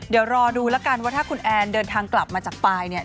เดี๋ยวรอดูแล้วกันว่าถ้าคุณแอนเดินทางกลับมาจากปลายเนี่ย